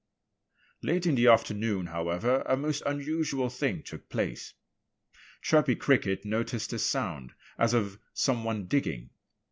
Late in the afternoon, however, a most unusual thing took place. Chirpy Cricket noticed a sound as of some one digging.